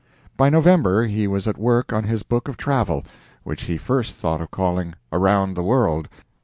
By November he was at work on his book of travel, which he first thought of calling "Around the World."